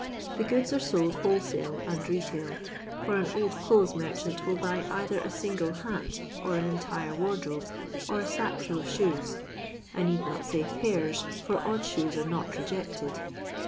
The goods are sold wholesale and retail, for an old clothes merchant will buy either a single hat, or an entire wardrobe, or a tackful of shoes, — I need not say pain, for odd shoes are not rejected.